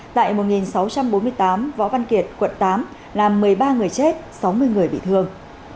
tại một sáu trăm bốn mươi tám võ văn kiệt quận tám làm một mươi ba người chết sáu mươi người bị thương